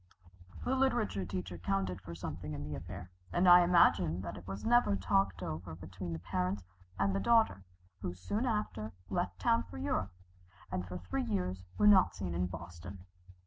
The literature teacher counted for something in the affair, and I imagine that it was never talked over between the parents and daughter, who soon after left town for Europe, and for three years were not seen in Boston.